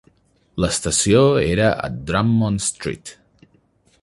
L'estació era a Drummond Street.